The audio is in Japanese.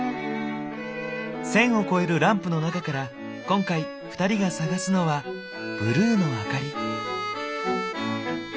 １，０００を超えるランプの中から今回２人が探すのは「ブルーのあかり」。